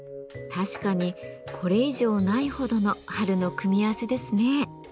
確かにこれ以上ないほどの春の組み合わせですね。